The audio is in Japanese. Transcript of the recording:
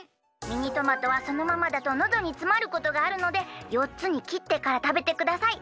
ミニトマトはそのままだとのどにつまることがあるので４つにきってからたべてください。